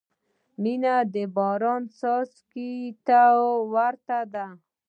• مینه د باران څاڅکو ته ورته ده.